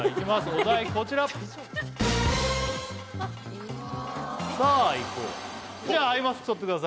お題こちらさあいこうじゃあアイマスク取ってください